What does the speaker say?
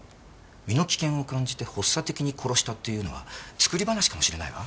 身の危険を感じて発作的に殺したっていうのは作り話かもしれないわ。